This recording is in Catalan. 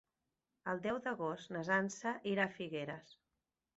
El deu d'agost na Sança irà a Figueres.